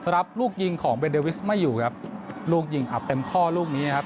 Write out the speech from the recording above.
รับลูกยิงของเบนเดวิสไม่อยู่ครับลูกยิงอับเต็มข้อลูกนี้นะครับ